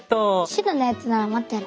白のやつなら持ってる。